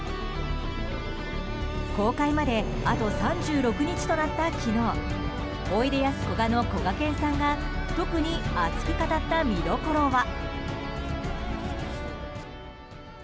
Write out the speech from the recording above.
公開まであと３６日となった昨日おいでやすこがのこがけんさんが特に熱く語った見どころは。